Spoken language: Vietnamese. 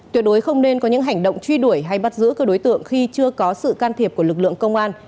tuyệt đối không nên có những hành động truy đuổi hay bắt giữ các đối tượng khi chưa có sự can thiệp của lực lượng công an